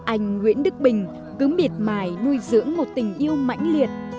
anh nguyễn đức bình cứ mệt mải nuôi dưỡng một tình yêu mãnh liệt